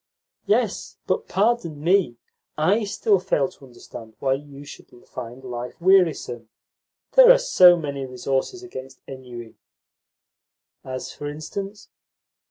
"Yes, but, pardon me, I still fail to understand why you should find life wearisome. There are so many resources against ennui!" "As for instance?"